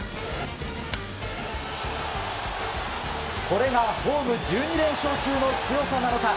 これがホーム１２連勝中の強さなのか。